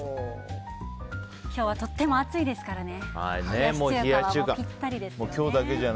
今日はとっても暑いですからね。